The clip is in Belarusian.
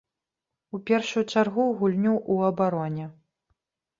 У першую чаргу гульню ў абароне.